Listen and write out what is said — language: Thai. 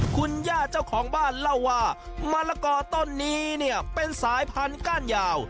คุณย่าเจ้าของบ้านเล่าว่ามะละกอต้นนี้เนี่ยเป็นสายพันธุ์ก้านยาว